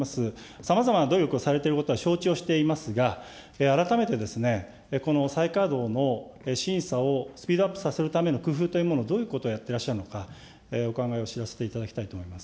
さまざまな努力をされていることは承知をしていますが、改めてこの再稼働の審査をスピードアップさせるための工夫というもの、どういうことをやってらっしゃるのか、お伺いをさせていただきたいと思います。